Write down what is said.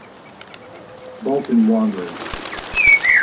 Bolton Wanderers